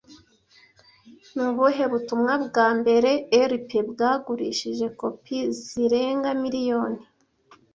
Ni ubuhe butumwa bwa mbere LP bwagurishije kopi zirenga miliyoni